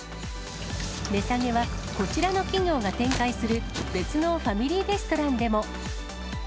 値下げはこちらの企業が展開する別のファミリーレストランでも。